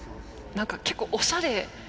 何か結構おしゃれ。